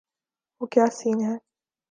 وہ کیا سین ہے۔